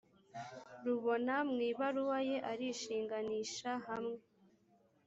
rubona mu ibaruwa ye arishinganisha hamwe